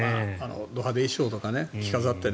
ど派手衣装とか着飾ってね。